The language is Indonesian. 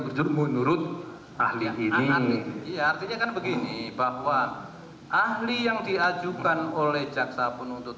berjemur menurut ahli ya artinya kan begini bahwa ahli yang diajukan oleh jaksa penuntut